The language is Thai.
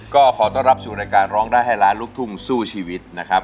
ก็ขอต้อนรับสู่รายการร้องได้ให้ล้านลูกทุ่งสู้ชีวิตนะครับ